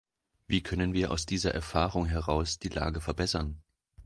Wie können wir aus dieser Erfahrung heraus die Lage verbessern?